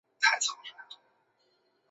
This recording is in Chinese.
翌年陈添保被封为都督。